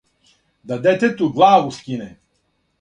Да детету главу скине,